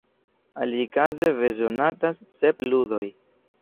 Alikaze bezonatas sep ludoj.